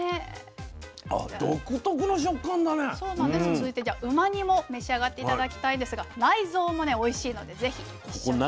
続いてじゃあうま煮も召し上がって頂きたいんですが内臓もねおいしいので是非一緒に。